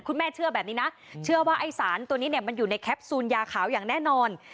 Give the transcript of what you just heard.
แม่เชื่อแบบนี้นะเชื่อว่าไอ้สารตัวนี้เนี่ยมันอยู่ในแคปซูลยาขาวอย่างแน่นอน